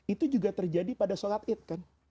itu juga terjadi pada sholat id kan